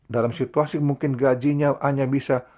dalam situasi mungkin gajinya hanya bisa